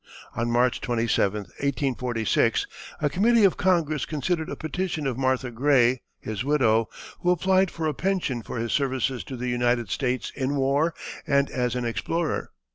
On March 27, 1846, a committee of Congress considered a petition of Martha Gray, his widow, who applied for a pension for his services to the United States in war and as an explorer.